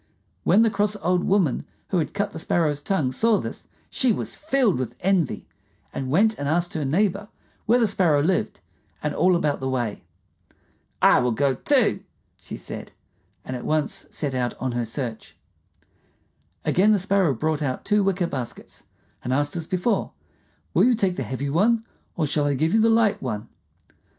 When the cross old woman who had cut the Sparrow's tongue saw this, she was filled with envy, and went and asked her neighbor where the Sparrow lived and all about the way. "I will go, too," she said, and at once set out on her search. Again the Sparrow brought out two wicker baskets, and asked as before, "Will you take the heavy one, or shall I give you the light one?"